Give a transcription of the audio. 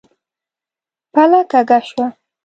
پله کږه شوه.